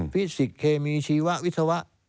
ฟิสิกเคมีชีวะวิธวะ